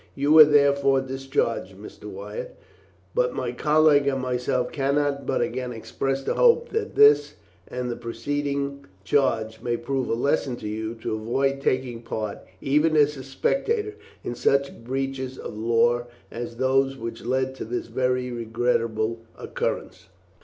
You are therefore discharged, Mr. Wyatt; but my colleague and myself cannot but again express a hope that this and the preceding charge may prove a lesson to you to avoid taking part, even as a spectator, in such breeches of the law as those which led to this very regrettable occurrence."